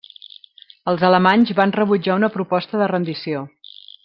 Els alemanys van rebutjar una proposta de rendició.